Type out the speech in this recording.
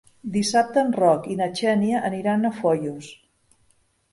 Dissabte en Roc i na Xènia aniran a Foios.